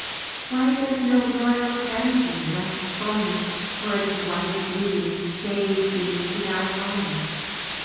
Why does no royal canopy , like foam For its white beauty, shade thee to thy home?